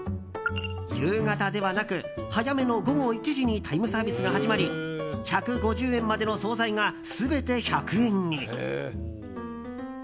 夕方ではなく、早めの午後１時にタイムサービスが始まり１５０円までの総菜が全て１００円に。